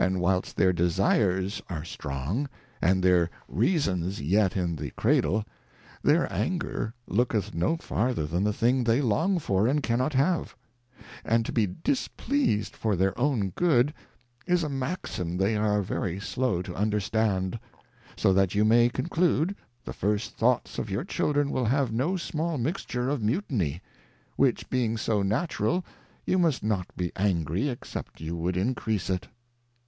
23 whilst their Desires are strong, and their Reasons yet in the Cradle, their Anger looketh no farther than the thing they long for and cannot have ; And to be displeased for their own good, is a Maxim they are very slovi' to understand : So that you may conclude, the first Thoughts of your Children will have no small Mixture of Mutiny ; which being so natural, you must not be angry, except you would increase it.